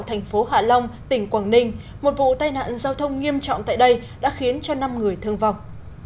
thành phố hạ long tỉnh quảng ninh một vụ tai nạn giao thông nghiêm trọng tại đây đã khiến cho năm người thương vọng